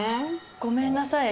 「ごめんなさい。